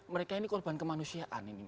mereka ini korban kemanusiaan